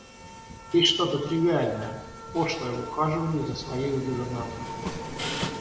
Есть что-то тривиальное, пошлое в ухаживаньи за своею гувернанткой.